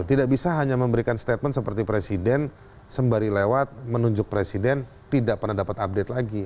tidak bisa hanya memberikan statement seperti presiden sembari lewat menunjuk presiden tidak pernah dapat update lagi